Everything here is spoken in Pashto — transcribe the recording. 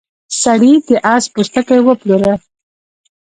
سړي د اس پوستکی وپلوره.